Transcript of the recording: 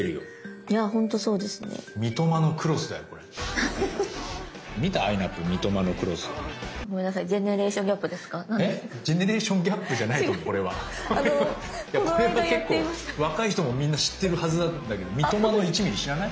いやこれは結構若い人もみんな知ってるはずなんだけど三苫の１ミリ知らない？